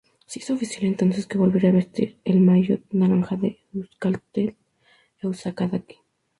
Se hizo oficial entonces que volvería a vestir el maillot naranja del Euskaltel-Euskadi.